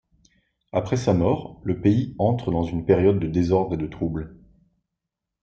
Après sa mort, le pays entre dans une période de désordre et de trouble.